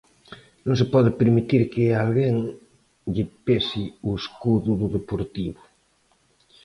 Non se pode permitir que a alguén lle pese o escudo do Deportivo.